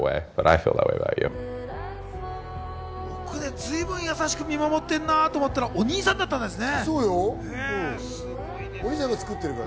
ずいぶん優しく見守ってるなって思ったら、お兄さんだったんですね。